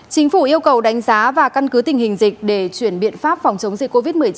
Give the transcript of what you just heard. chính phủ yêu cầu đánh giá và căn cứ tình hình dịch để chuyển biện pháp phòng chống dịch covid một mươi chín